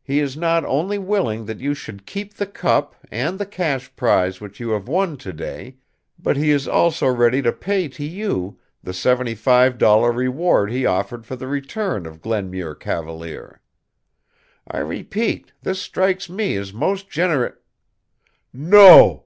He is not only willing that you should keep the cup and the cash prize which you have won to day, but he is also ready to pay to you the seventy five dollar reward he offered for the return of Glenmuir Cavalier. I repeat, this strikes me as most gener " "NO!"